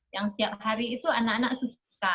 yang setiap hari itu anak anak suka